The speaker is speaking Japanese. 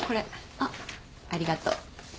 あっありがとう。